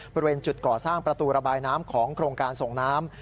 บริเวณจุดก่อสร้างประตูระบายน้ำของโครงการส่งน้ำ